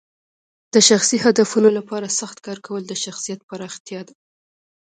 د شخصي هدفونو لپاره سخت کار کول د شخصیت پراختیا ده.